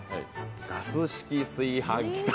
ガス式炊飯器と。